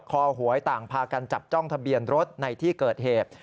หวยต่างพากันจับจ้องทะเบียนรถในที่เกิดเหตุ